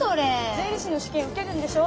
税理士の試験受けるんでしょ？